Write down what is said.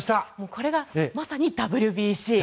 これがまさにＷＢＣ。